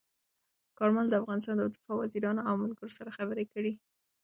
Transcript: کارمل د افغانستان د دفاع وزیرانو او ملګرو سره خبرې کړي.